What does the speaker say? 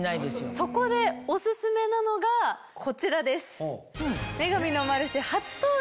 そこでお薦めなのがこちらです。